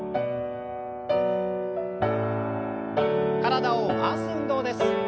体を回す運動です。